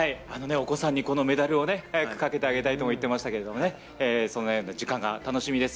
お子さんにこのメダルを早くかけてあげたいとも言ってましたけど、その辺の時間が楽しみです。